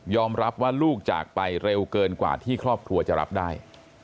รับว่าลูกจากไปเร็วเกินกว่าที่ครอบครัวจะรับได้